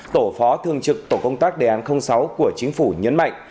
tổ phó thương trực tổ công tác đề án sáu của chính phủ nhấn mạnh